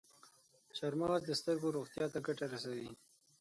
چارمغز د سترګو روغتیا ته ګټه رسوي.